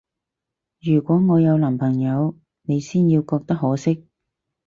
如果我有男朋友，你先要覺得可惜